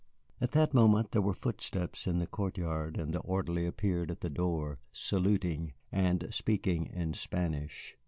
At that moment there were footsteps in the court yard, and the orderly appeared at the door, saluting, and speaking in Spanish.